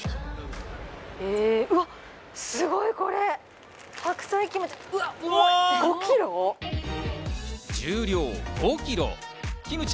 うわぁすごい、これ、白菜キムチ。